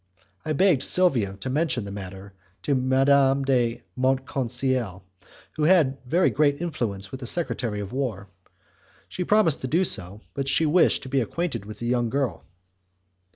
I begged Silvia to mention the matter to Madame de Montconseil, who had very great influence with the secretary of war. She promised to do so, but she wished to be acquainted with the young girl.